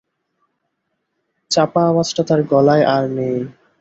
চাপা আওয়াজটা তার গলায় আর নেই।